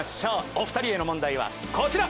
お２人への問題はこちら！